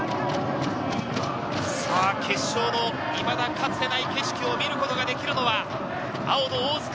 決勝のいまだかつてない景色を見ることができるのは青の大津か？